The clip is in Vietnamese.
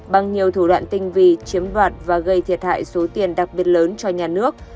bằng nhiều thủ đoạn tinh vi chiếm đoạt và gây thiệt hại số tiền đặc biệt lớn cho nhà nước